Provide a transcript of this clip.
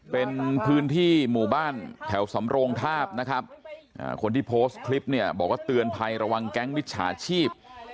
เป็นพื้นที่หมู่บ้านแถวสำโรงทาบนะครับคนที่โพสต์คลิปเนี่ยบอกว่าเตือนภัยระวังแก๊งมิจฉาชีพ